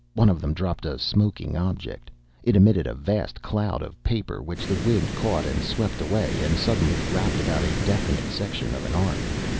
One of them dropped a smoking object. It emitted a vast cloud of paper, which the wind caught and swept away, and suddenly wrapped about a definite section of an arc.